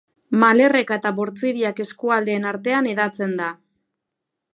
Malerreka eta Bortziriak eskualdeen artean hedatzen da.